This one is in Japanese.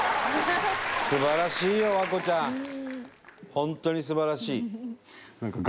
ホントに素晴らしい。